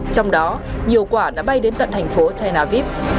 trong đó nhiều quả đã bay đến tận thành phố taynavib